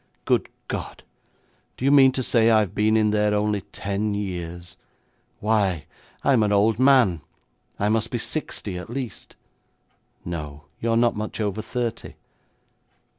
Good God, do you mean to say I've been in there only ten years? Why, I'm an old man. I must be sixty at least.' 'No; you're not much over thirty.'